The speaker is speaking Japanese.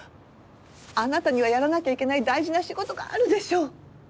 あなたにはやらなきゃいけない大事な仕事があるでしょ！